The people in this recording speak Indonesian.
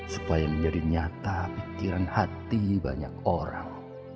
supaya menjadi nyata pikiran hati banyak orang